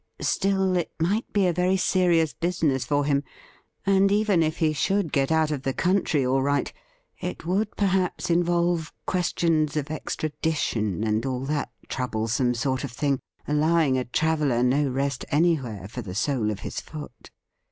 Still, it might be a very serious business for him, and even if he should get out of the country all right, it would perhaps involve questions of extradition and all that troublesome sort of thing, allowing a traveller no rest any where for the sole of his foot.